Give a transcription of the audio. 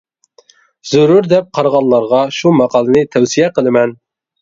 زۆرۈر دەپ قارىغانلارغا شۇ ماقالىنى تەۋسىيە قىلىمەن.